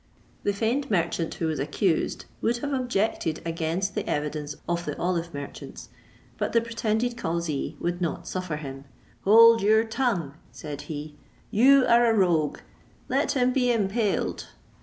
The feigned merchant who was accused would have objected against the evidence of the olive merchants; but the pretended cauzee would not suffer him. "Hold your tongue," said he, "you are a rogue; let him be impaled."